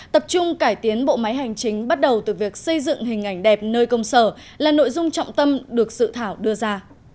tập trung cải tiến bộ máy hành chính bắt đầu từ việc xây dựng hình ảnh đẹp nơi công sở là nội dung trọng tâm được sự thảo đưa ra